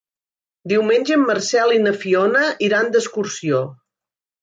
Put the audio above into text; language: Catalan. Diumenge en Marcel i na Fiona iran d'excursió.